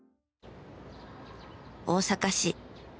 大阪市。